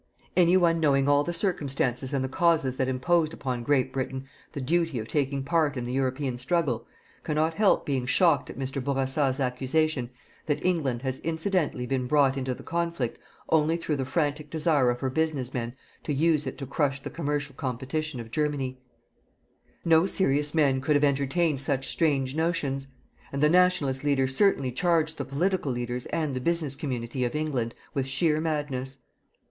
Any one knowing all the circumstances and the causes that imposed upon Great Britain the duty of taking part in the European struggle, cannot help being shocked at Mr. Bourassa's accusation _that England has incidentally been brought into the conflict only through the frantic desire of her business men to use it to crush the commercial competition of Germany_. No serious men could have entertained such strange notions. And the "Nationalist" leader certainly charged the political leaders and the business community of England with sheer madness.